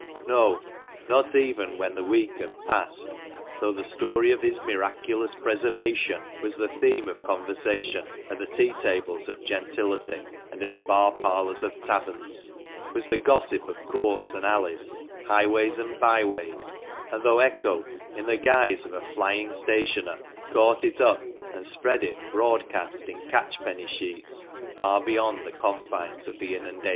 No, not even when the week had passed, though the story of his "miraculous preservation" was the theme of conversation at the tea tables of gentility and in the bar parlours of taverns ; was the gossip of courts and alleys, highways and byways ; and though echo, in the guise of a " flying stationer," caught it up and spread it broadcast in catchpenny sheets, far beyond the confines of the inundation.